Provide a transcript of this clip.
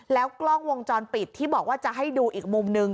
แล้วกล้องวงจรปิดที่บอกว่าจะให้ดูอีกมุมนึง